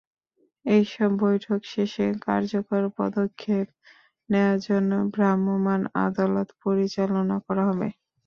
এসব বৈঠক শেষে কার্যকর পদক্ষেপ নেওয়ার জন্য ভ্রাম্যমাণ আদালত পরিচালনা করা হবে।